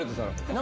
何？